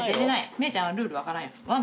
メイちゃんはルール分からんやけん。